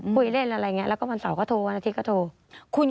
คุยเล่นอะไรอย่างนี้แล้วก็วันเสาร์ก็โทรวันอาทิตย์ก็โทร